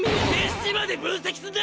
飯まで分析すんな！